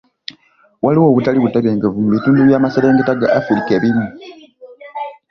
Waliwo obutali butebenkevu mu bitundu by'amaserengeta ga Africa ebimu.